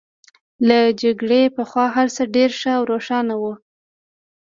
له جګړې پخوا هرڅه ډېر ښه او روښانه وو